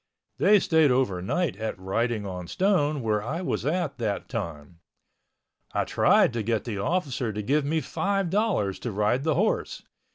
They stayed over night at Writing on Stone where I was at that time. I tried to get the officer to give me five dollars to ride the horse.